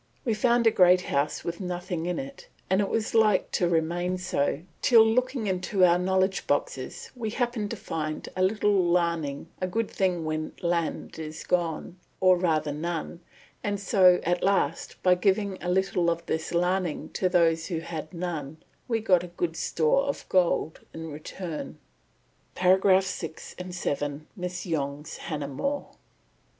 We found a great house with nothing in it—and it was like to remain so—till, looking into our knowledge boxes, we happened to find a little larning—a good thing when land is gone, or rather none, and so at last, by giving a little of this larning to those who had none, we got a good store of gold in return" (pp. 6, 7, Miss Yonge's Hannah More).